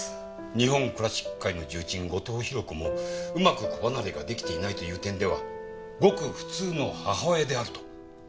日本クラシック界の重鎮後藤宏子もうまく子離れができていないという点ではごく普通の母親であるとこうおっしゃりたいんですね？